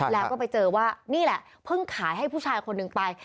แล้วก็ไปเจอว่านี่แหละเพิ่งขายให้ผู้ชายคนหนึ่งไป